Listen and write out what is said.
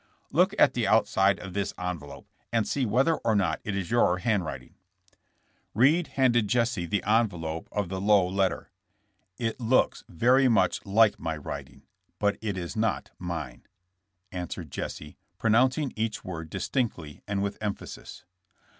Look at the outside of this envelope and see whether or not it is your handwriting." ■i Eeed handed Jesse the eaavelope of the Lowe letter. *'It looks very mueh like my writing, but it is not miae," answered Jesse, pronouncing each word distinctly and with emphasis.